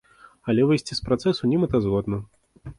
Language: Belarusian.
Але выйсці з працэсу немэтазгодна.